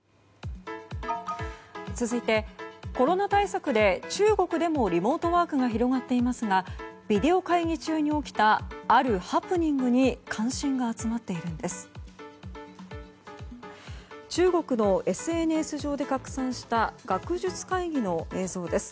続いて、コロナ対策で中国でもリモートワークが広がっていますがビデオ会議中に起きたあるハプニングに関心が集まっているんです。